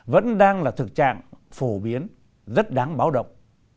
vẫn đang là thực trạng phổ biến rất đáng báo động